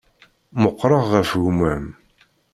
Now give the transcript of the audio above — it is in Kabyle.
Meqqṛeɣ ɣef gma-m.